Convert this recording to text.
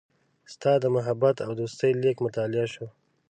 ستا د محبت او دوستۍ لیک مطالعه شو.